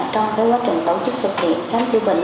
trong quá trình tổ chức thực hiện khám chữa bệnh